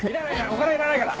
お金はいらないから。